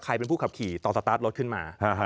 เป็นผู้ขับขี่ตอนสตาร์ทรถขึ้นมา